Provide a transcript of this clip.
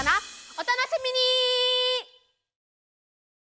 お楽しみに！